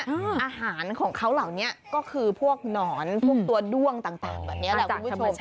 อาหารของเขาเหล่านี้ก็คือพวกหนอนพวกตัวด้วงต่างแบบนี้แหละคุณผู้ชม